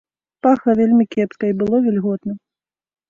Пахла вельмі кепска, і было вільготна.